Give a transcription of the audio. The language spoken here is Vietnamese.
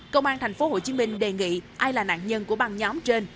công an thành phố hồ chí minh đề nghị ai là nạn nhân của băng nhóm trên